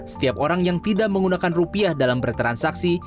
setiap orang yang tidak menggunakan rupiah dalam bertransaksi